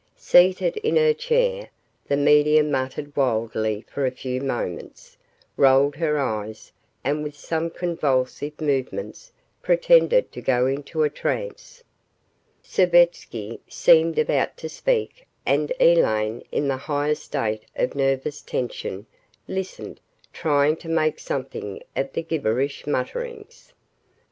Seated in her chair, the medium muttered wildly for a few moments, rolled her eyes and with some convulsive movements pretended to go into a trance. Savetsky seemed about to speak and Elaine, in the highest state of nervous tension, listened, trying to make something of the gibberish mutterings.